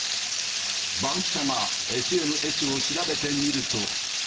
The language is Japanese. バンキシャがＳＮＳを調べてみると。